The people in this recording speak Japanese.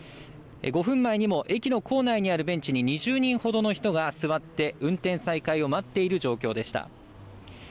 ５分前にも駅の構内にあるベンチに２０人ほどの人が座って運転再開を待っている状況でした。